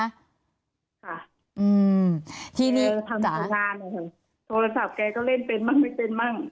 ค่ะอืมทีนี้ทำผลงานโทรศัพท์แกก็เล่นเป็นมั่งไม่เป็นมั่ง